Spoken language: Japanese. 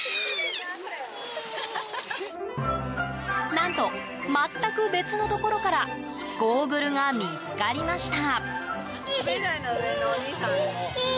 何と全く別のところからゴーグルが見つかりました。